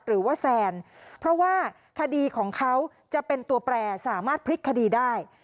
หรือว่าแซนเพราะว่าคดีของเขาจะเป็นตัวแปรสามารถพลิกคดีได้